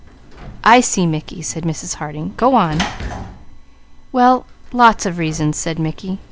"I see Mickey," said Mrs. Harding. "Go on!" "Well, lots of reasons," said Mickey.